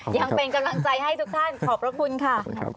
ยังเป็นกำลังใจให้ทุกท่านขอบพระคุณค่ะ